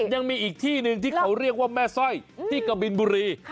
ยังมีอีกที่หนึ่งที่เขาเรียกว่าแม่สร้อยที่กะบินบุรี